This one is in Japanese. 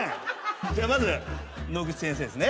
じゃあまず野口先生ですね。